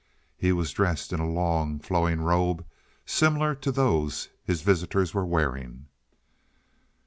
He was dressed in a long, flowing robe similar to those his visitors were wearing.